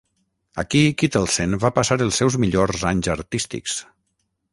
Aquí Kittelsen va passar els seus millors anys artístics.